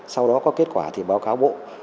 sau đó có kết quả thì báo cáo bộ